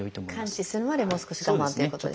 完治するまでもう少し我慢ということですね。